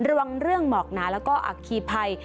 ระวังเรื่องหมอกหนาแล้วก็อัคคีภัย